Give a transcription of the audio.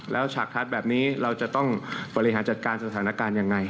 แล้วฉากคัดแบบนี้เราจะต้องบริหารจัดการสถานการณ์ยังไง